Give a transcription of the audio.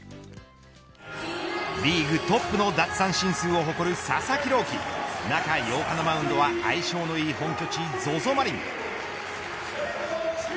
リーグトップの奪三振数を誇る佐々木朗希中８日のマウンドは相性のいい本拠地ＺＯＺＯマリン。